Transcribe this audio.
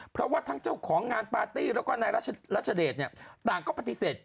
เพราะว่าทั้งเจ้าของงานปาร์ตี้แล้วก็นายรัชเดชต่างก็ปฏิเสธ